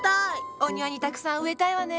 お庭にたくさん植えたいわね。